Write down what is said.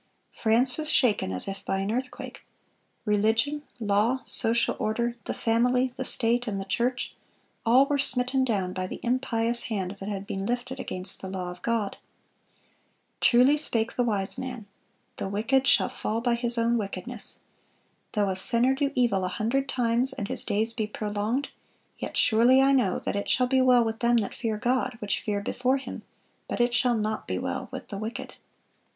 France was shaken as if by an earthquake. Religion, law, social order, the family, the state, and the church,—all were smitten down by the impious hand that had been lifted against the law of God. Truly spake the wise man: "The wicked shall fall by his own wickedness." "Though a sinner do evil a hundred times, and his days be prolonged, yet surely I know that it shall be well with them that fear God, which fear before Him: but it shall not be well with the wicked."